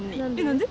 何で？